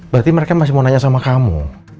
berarti mereka masih mau nanya sama kamu